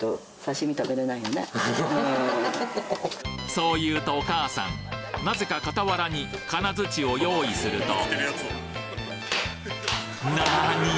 そう言うとお母さん何故か傍らにカナヅチを用意するとなにぃ！